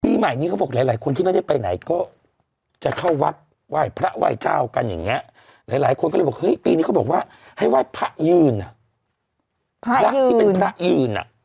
ใหม่นี้เขาบอกหลายคนที่ไม่ได้ไปไหนก็จะเข้าวัดไหว้พระไหว้เจ้ากันอย่างนี้หลายคนก็เลยบอกเฮ้ยปีนี้เขาบอกว่าให้ไหว้พระยืนอ่ะพระที่เป็นพระยืนอ่ะ